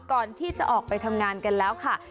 ก่อนที่จะออกไปทำงานกันแล้วค่ะ